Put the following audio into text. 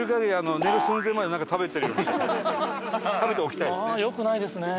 食べておきたいですね。